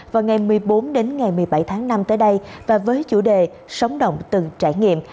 vào ngày một mươi bốn đến ngày một mươi bảy tháng năm tới đây và với chủ đề sóng động từng trải nghiệm